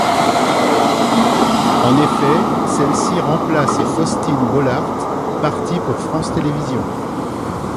En effet, celle-ci remplace Faustine Bollaert partie pour France Télévisions.